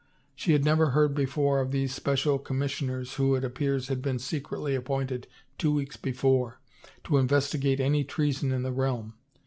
She had never heard before of these special com missioners who, it appears, had been secretly appointed two weeks before, to investigate any treason in the realm.